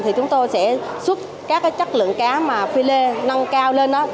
thì chúng tôi sẽ xuất các cái chất lượng cá mà philet nâng cao lên đó